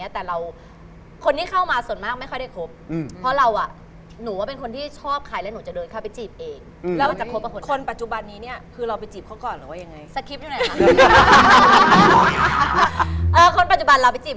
แต่เราคนที่เข้ามาส่วนมากไม่ค่อยได้คบ